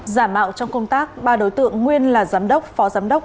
giả mạo trong công tác ba đối tượng nguyên là giám đốc phó giám đốc